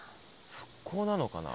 復興なのかな？